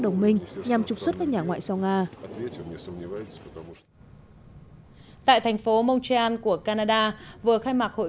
đồng minh nhằm trục xuất các nhà ngoại giao nga tại thành phố montreal của canada vừa khai mạc hội